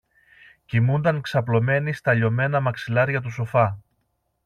κοιμούνταν ξαπλωμένη στα λιωμένα μαξιλάρια του σοφά